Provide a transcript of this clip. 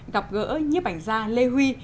gặp gỡ nhếp ảnh gia lê huy